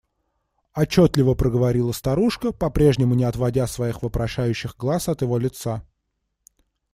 Отчетливо проговорила старушка, по-прежнему не отводя своих вопрошающих глаз от его лица.